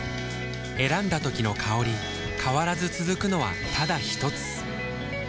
選んだ時の香り変わらず続くのはただひとつ？